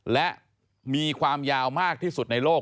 และมีความยาวมากที่สุดในโลก